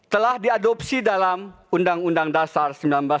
telah diadopsi dalam undang undang dasar seribu sembilan ratus empat puluh lima